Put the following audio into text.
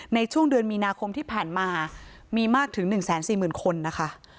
ในช่วงเดือนมีนาคมที่ผ่านมามีมากถึง๑๔๐๐๐คนนะคะ